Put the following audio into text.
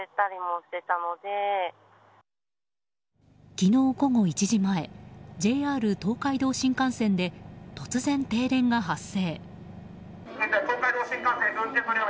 昨日午後１時前ＪＲ東海道新幹線で突然、停電が発生。